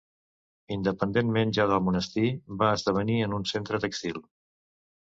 Independentment ja del monestir, va esdevenir en un centre tèxtil.